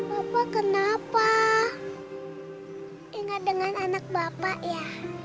bapak kenapa ingat dengan anak bapak ya